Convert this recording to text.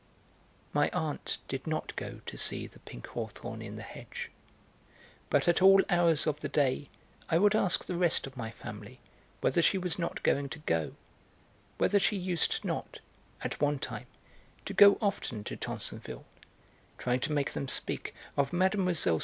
My aunt did not go to see the pink hawthorn in the hedge, but at all hours of the day I would ask the rest of my family whether she was not going to go, whether she used not, at one time, to go often to Tansonville, trying to make them speak of Mlle.